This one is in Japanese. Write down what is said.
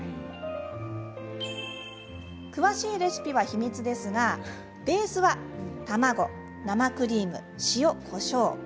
詳しいレシピは秘密ですがベースは卵生クリーム塩こしょう。